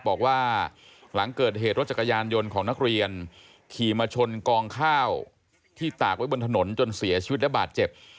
บอกว่าหลังเกิดเหตุรถจักรยานยนต์ของนักเรียนขี่มาชนกองข้าวที่ตากไว้บนถนนจนเสียชีวิตและบาดเจ็บ